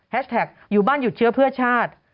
แท็กอยู่บ้านหยุดเชื้อเพื่อชาติ